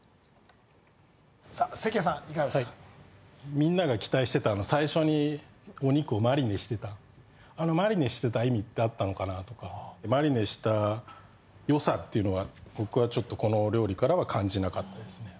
みんなが期待してた最初にお肉をマリネしてたあのマリネしてた意味ってあったのかなとかマリネした良さっていうのは僕はちょっとこのお料理からは感じなかったですね